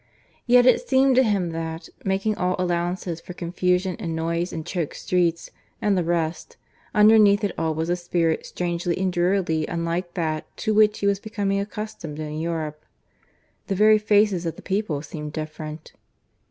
Yet it seemed to him that, making all allowances for confusion and noise and choked streets and the rest, underneath it all was a spirit strangely and drearily unlike that to which he was becoming accustomed in Europe. The very faces of the people seemed different.